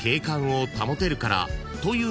［という